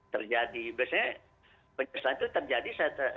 terjadi biasanya penyesuaian itu terjadi